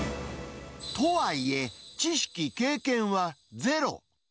とはいえ、知識、経験はゼロ。